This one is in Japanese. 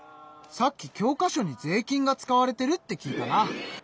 さっき教科書に税金が使われてるって聞いたな。